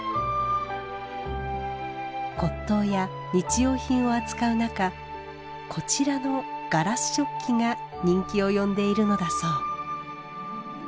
骨董や日用品を扱う中こちらのガラス食器が人気を呼んでいるのだそう。